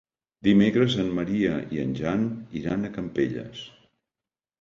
Dimecres en Maria i en Jan iran a Campelles.